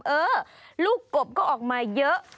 เออลูกกบก็ออกมาเยอะ